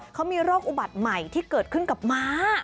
เขามีโรคอุบัติใหม่ที่เกิดขึ้นกับม้า